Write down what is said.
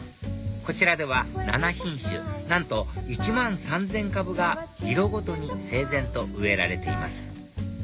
こちらでは７品種なんと１万３０００株が色ごとに整然と植えられています